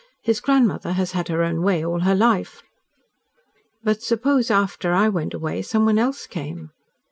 His grandmother has had her own way all her life." "But suppose after I went away someone else came?"